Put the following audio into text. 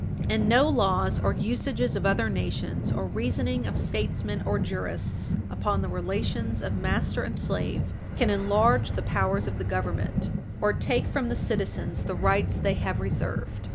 And no laws or usages of other nations, or reasoning of statesmen or jurists upon the relations of master and slave, can enlarge the powers of the Government or take from the citizens the rights they have reserved.